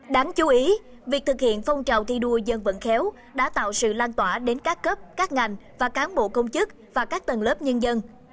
đáng chú ý việc thực hiện phong trào thi đua dân vận khéo đã tạo sự lan tỏa đến các cấp các ngành và cán bộ công chức và các tầng lớp nhân dân